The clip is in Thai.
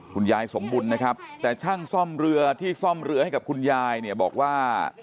คุณยายสมบุญนะครับแต่ช่างซ่อมเรือที่ซ่อมเรือให้กับคุณยายเนี่ยบอกว่า